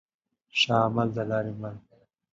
ښه عمل دلاري مل